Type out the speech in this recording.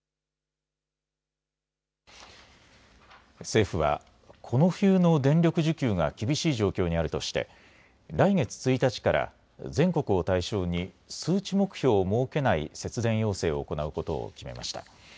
政府はこの冬の電力需給が厳しい状況にあるとして来月１日から全国を対象に数値目標を設けない節電要請を行うことを決めました。